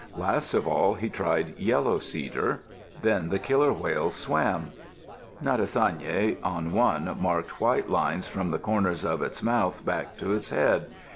Last of all he tried yellow cedar. Then the killer whales swam. Natsayane on one marked white lines from the corners of its mouth back to its head.